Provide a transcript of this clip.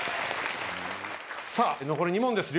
さあ残り２問です。